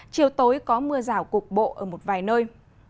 chiều tối có mưa rào cục bộ ở một vài nơi